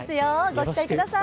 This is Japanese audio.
ご期待ください。